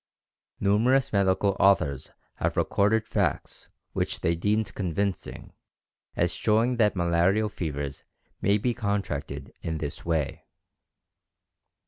Numerous medical authors have recorded facts which they deemed convincing as showing that malarial fevers may be contracted in this way.